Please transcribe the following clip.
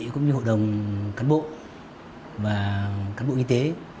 cũng như hội đồng cán bộ và cán bộ y tế